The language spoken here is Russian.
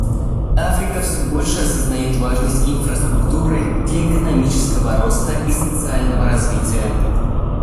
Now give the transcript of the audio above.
Африка все больше осознает важность инфраструктуры для экономического роста и социального развития.